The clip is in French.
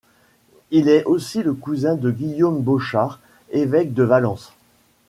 Il est aussi le cousin de Guillaume Bochart, évêque de Valence.